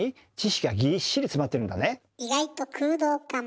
意外と空洞かも。